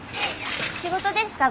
仕事ですか？